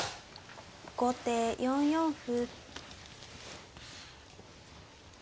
後手４四歩。